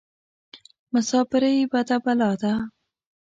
مساپرى بده بلا ده.